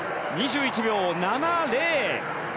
２１秒７０。